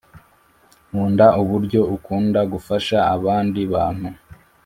nkunda uburyo ukunda gufasha abandi bantu